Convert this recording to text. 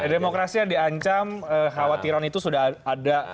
demokrasi yang diancam khawatiran itu sudah ada